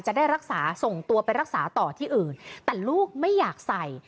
จะได้รักษาส่งตัวไปรักษาต่อที่อื่นแต่ลูกไม่อยากใส่